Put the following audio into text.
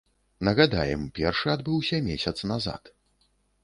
Нагадаем, першы адбыўся месяц назад.